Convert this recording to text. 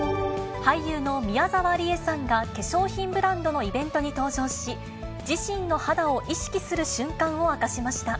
俳優の宮沢りえさんが、化粧品ブランドのイベントに登場し、自身の肌を意識する瞬間を明かしました。